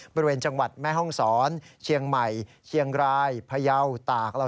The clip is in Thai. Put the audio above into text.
บริเวณจังหวัดแม่ห้องศรเชียงใหม่เชียงรายพยาวตาก